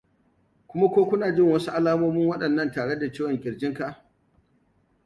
kuma ko kuna jin wasu alamomin waɗanan tare da ciwon kirjin ka